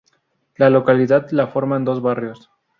La localidad la forman dos barrios.